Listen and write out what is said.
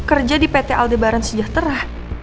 kerja di pt aldebaran sejahtera